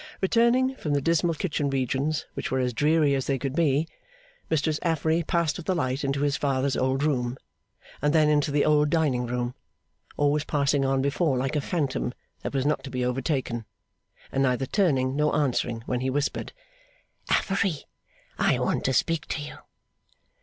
Returning from the dismal kitchen regions, which were as dreary as they could be, Mistress Affery passed with the light into his father's old room, and then into the old dining room; always passing on before like a phantom that was not to be overtaken, and neither turning nor answering when he whispered, 'Affery! I want to speak to you!